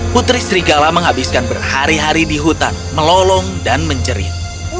putri serigala menghabiskan berhari hari di hutan melolong dan menjerit